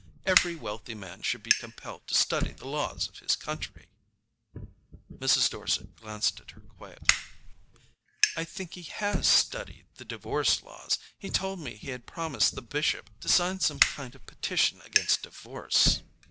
Every wealthy man should be compelled to study the laws of his country." Mrs. Dorset glanced at her quietly. "I think he HAS studied the divorce laws. He told me he had promised the Bishop to sign some kind of a petition against divorce."